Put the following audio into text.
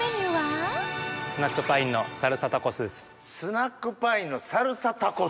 スナックパインのサルサタコス。